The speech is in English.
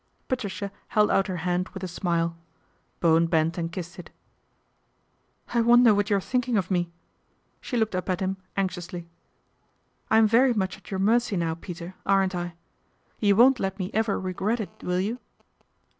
Patricia held out her hand with a smile. Bowen bent and kissed it. " I wonder what you are thinking of me ?" She looked up at him anxiously. "I'm very much at your mercy now, Peter, aren't I ? You won't let me ever regret it, will you